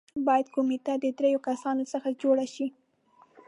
باید کمېټه د دریو کسانو څخه جوړه شي.